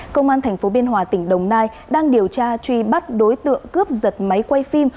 công an tp biên hòa tỉnh đồng nai đang điều tra truy bắt đối tượng cướp giật máy quay phim